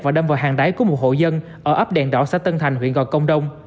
và đâm vào hàng đáy của một hộ dân ở ấp đèn đỏ xã tân thành huyện gò công đông